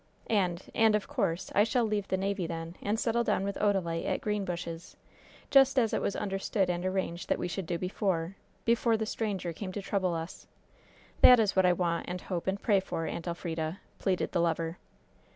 And and, of course, I shall leave the navy then and settle down with Odalite at Greenbushes just as it was understood and arranged that we should do before before the stranger came to trouble us. That is what I want and hope and pray for, Aunt Elfrida!" pleaded the lover.